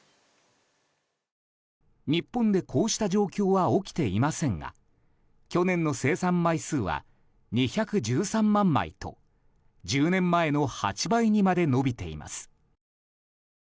日本でこうした状況は起きていませんが去年の生産枚数は２１３万枚と１０年前の８倍にまで伸びています。